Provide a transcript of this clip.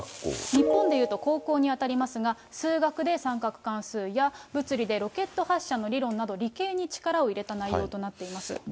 日本でいうと高校に当たりますが、数学で三角関数や、物理でロケット発射の理論など、理系に力を入れた内容となっています。